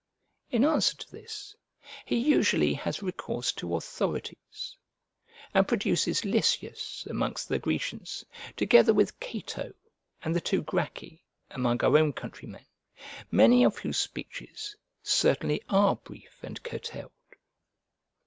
In answer to this, he usually has recourse to authorities, and produces Lysias amongst the Grecians, together with Cato and the two Gracchi, among our own countrymen, many of whose speeches certainly are brief and curtailed.